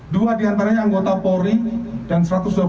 dua diantaranya anggota polri dan satu ratus dua puluh